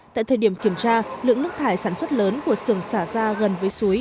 tại thời điểm kiểm tra lượng nước thải sản xuất lớn của sườn xả ra gần với suối